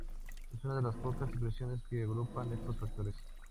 Es una de las pocas expresiones que agrupan estos factores.